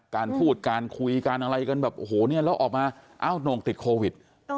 การพูดการคุยการอะไรกันแบบโอ้โหเนี่ยแล้วออกมาเอ้าโหน่งติดโควิด